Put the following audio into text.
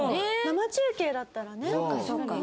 生中継だったらね。